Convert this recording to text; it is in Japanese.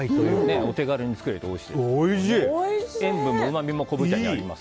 お手軽に作れておいしいです。